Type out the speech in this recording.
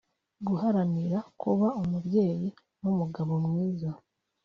Guharanira kuba umubyeyi n’umugabo mwiza